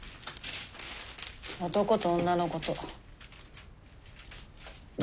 男と女のこと。